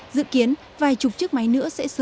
dự kiến vài chục chiếc máy nữa sẽ sớm